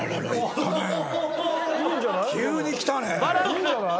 いいじゃない？